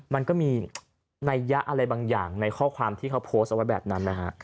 มันก็มีนัยยะอะไรบางอย่างในข้อความที่เขาโพสต์เอาไว้แบบนั้นนะฮะ